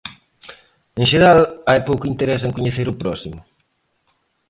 En xeral, hai pouco interese en coñecer o próximo.